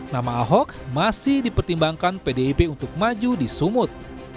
nama ahok masih dipertimbangkan pdip untuk maju di sumut